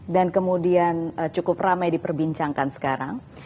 dan kemudian cukup ramai diperbincangkan sekarang